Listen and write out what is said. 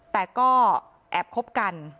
แต่ก็แอบคบกัน